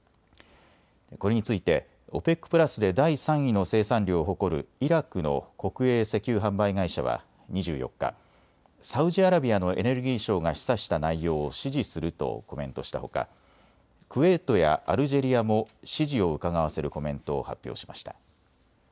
これについてＯＰＥＣプラスで第３位の生産量を誇るイラクの国営石油販売会社は２４日、サウジアラビアのエネルギー相が示唆した内容を支持するとコメントしたほか、クウェートやアルジェリアも支持をうかがわせるコメントを発表しました。